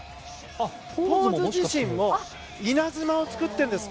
ポーズ自身も稲妻を作っているんです。